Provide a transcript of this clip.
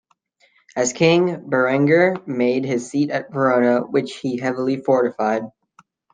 As king, Berengar made his seat at Verona, which he heavily fortified.